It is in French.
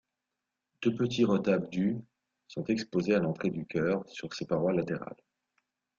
Deux petits retables du sont exposés à l'entrée du chœur, sur ses parois latérales.